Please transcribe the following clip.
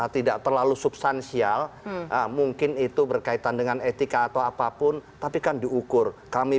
tidak terlalu substansial mungkin itu berkaitan dengan etika atau apapun tapi kan diukur kami